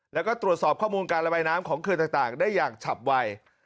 แล้วก็ตรวจสอบข้อมูลการระบายน้ำของเขื่อนต่างได้อย่างฉับไว